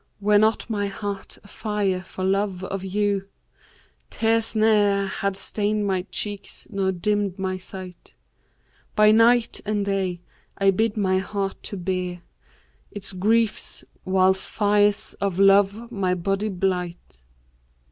Were not my heart afire for love of you, * Tears ne'er had stained my cheeks nor dimmed my sight. By night and day, I bid my heart to bear * Its griefs, while fires of love my body blight.'